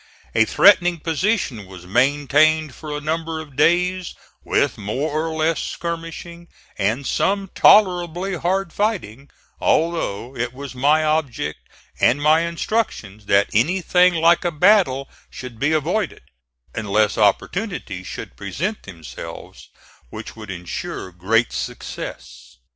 A threatening position was maintained for a number of days, with more or less skirmishing, and some tolerably hard fighting; although it was my object and my instructions that anything like a battle should be avoided, unless opportunities should present themselves which would insure great success.